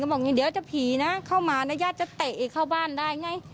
เขาบอกอย่างเดี๋ยวจะผีนะเข้ามานะย่าจะเตะเข้าบ้านได้ไง